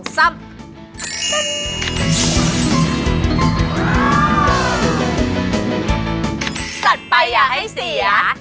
ตัดไปอย่าให้เสีย